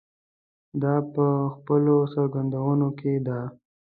دا په خپلو څرګندونو کې ده.